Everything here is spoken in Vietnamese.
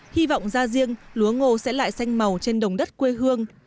hy vọng ra riêng lúa ngô sẽ lại xanh màu trên đồng đất quê hương